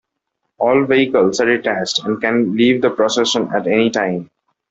All vehicles are detached and can leave the procession at any time.